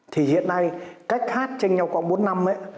thì hiện nay cách hát trên nhau quảng bốn năm ấy